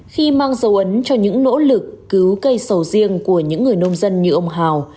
khi mang dấu ấn cho những nỗ lực cứu cây sầu riêng của những người nông dân như ông hào